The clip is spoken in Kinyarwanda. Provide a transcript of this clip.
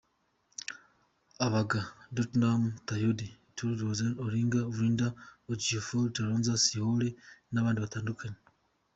I Abaga, Dotun Kayode, Tolu ‘Toolz’ Oniru, Linda Ejiofor, Sola Sobowale n’abandi batandukanye.